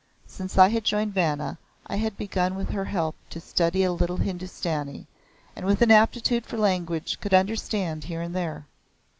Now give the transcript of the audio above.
Since I had joined Vanna I had begun with her help to study a little Hindustani, and with an aptitude for language could understand here and there.